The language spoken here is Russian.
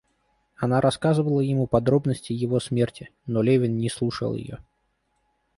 Она рассказывала ему подробности его смерти, но Левин не слушал ее.